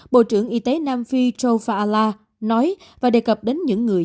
bộ trưởng y tế nam phi joe faala nói và đề cập đến những người